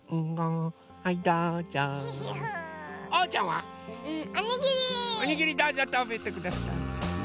おにぎりどうぞたべてください。